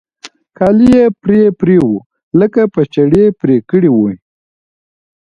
كالي يې پرې پرې وو لکه په چړې پرې كړي وي.